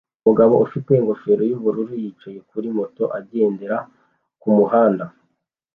Umugabo ufite ingofero yubururu yicaye kuri moto agendera kumuhanda